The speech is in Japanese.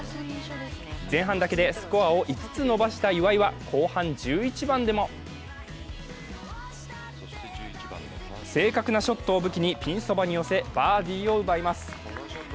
前半だけでスコアを５つ伸ばした岩井は後半１１番でも正確なショットを武器にピンそばに寄せ、バーディーを奪います。